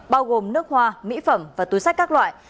bao gồm nước hoa mỹ phẩm và túi sách các loại